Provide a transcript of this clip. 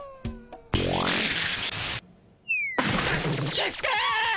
キスケ？